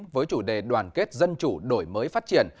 với chủ đề đoàn kết dân chủ đổi mới phát triển